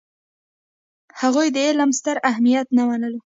هغوی د علم ستر اهمیت نه منلو.